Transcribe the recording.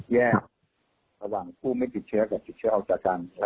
แยกระหว่างผู้ไม่ติดเชื้อกับติดเชื้อออกจากกัน